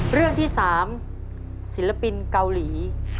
เรื่องที่๓ศิลปินเกาหลี